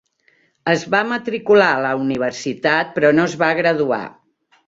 Es va matricular a la universitat però no es va graduar.